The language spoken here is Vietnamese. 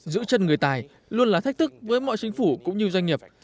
giữ chân người tài luôn là thách thức với mọi chính phủ cũng như doanh nghiệp